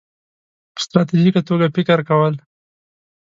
-په ستراتیژیکه توګه فکر کول